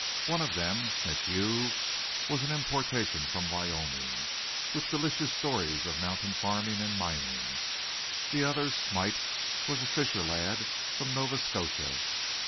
One of them, McHugh, was an importation from Wyoming with delicious stories of mountain farming and mining; the other, Smite, was a fisher lad from Nova Scotia.